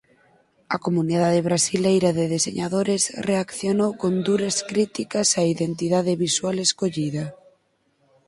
A comunidade brasileira de deseñadores reaccionou con duras críticas á identidade visual escollida.